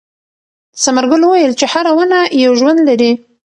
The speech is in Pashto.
ثمر ګل وویل چې هره ونه یو ژوند لري.